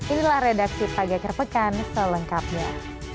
inilah redaksi pagi akhir pekan selengkapnya